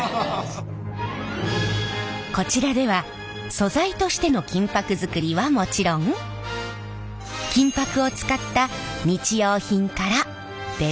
こちらでは素材としての金箔作りはもちろん金箔を使った日用品から伝統工芸品